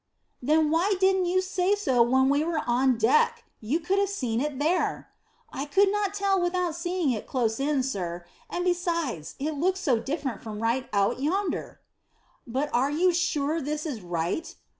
"Then why didn't you say so when we were on deck? You could have seen it there." "I could not tell without seeing it close in, sir; and besides it looks so different from right out yonder." "But are you sure this is right?"